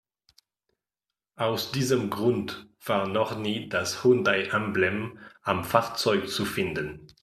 Aus diesem Grund war auch nie das Hyundai-Emblem am Fahrzeug zu finden.